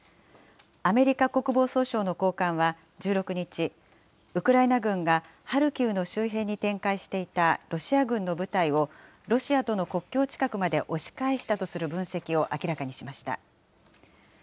アメリカ国防総省の高官は１６日、ウクライナ軍がハルキウの周辺に展開していたロシア軍の部隊を、ロシアとの国境近くまで押し返したとする分析を明らかにしました。